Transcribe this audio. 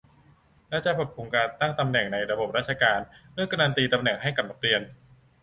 และจะปรับปรุงการตั้งตำแหน่งในระบบราชการ เลิกการันตีตำแหน่งให้กับนักเรียน